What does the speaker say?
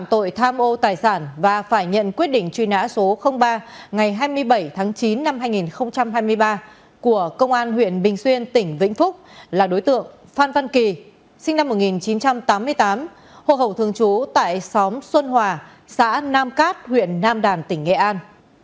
tội tham ô tài sản và phải nhận quyết định truy nã số ba ngày hai mươi bảy tháng chín năm hai nghìn hai mươi ba của công an huyện bình xuyên tỉnh vĩnh phúc là đối tượng phan văn kỳ sinh năm một nghìn chín trăm tám mươi tám hồ hậu thường trú tại xóm xuân hòa xã nam cát huyện nam đàn tỉnh nghệ an